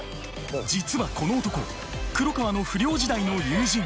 実はこの男黒川の不良時代の友人。